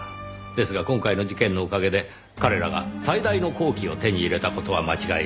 ですが今回の事件のおかげで彼らが最大の好機を手に入れた事は間違いありません。